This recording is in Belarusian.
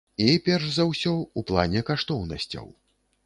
І, перш за ўсё, у плане каштоўнасцяў.